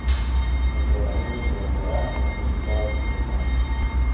El tratamiento se basará en los resultados de este examen.